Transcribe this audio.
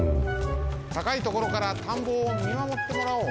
たかいところからたんぼをみまもってもらおう。